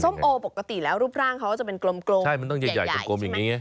ส้มโอปกติรูปร่างเขาจะเป็นกลมใหญ่